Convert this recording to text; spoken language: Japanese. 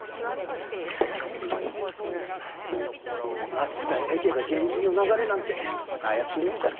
松平家が源氏の流れなんて怪しいもんじゃ。